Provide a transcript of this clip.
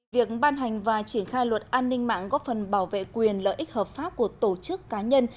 việc ban hành và triển khai luật an ninh mạng góp phần bảo vệ quyền lợi ích hợp pháp của tổ chức cá nhân